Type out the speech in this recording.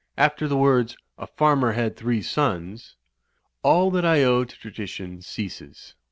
After the words 'A Farmer had three sons ...' all that I owe to tradi tion ceases.